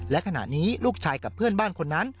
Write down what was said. และขณะนี้ลูกชายกับเพื่อนบ้านคนนั้น